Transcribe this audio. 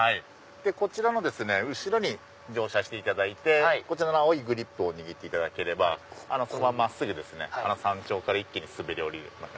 こちらの後ろに乗車していただいて青いグリップを握っていただければそのまま真っすぐあの山頂から一気に滑り降りる。